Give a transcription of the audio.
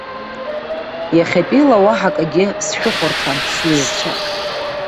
Иахьатәиала уаҳа акагьы сшәыхәарҭам, сҩызцәа!